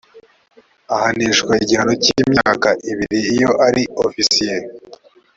ahanishwa igihano cyimyaka ibiri iyo ari ofisiye